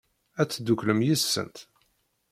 Ad tedduklem yid-sent?